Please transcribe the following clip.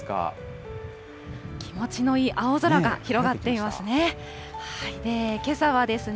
気持ちのいい青空が広がっていますね。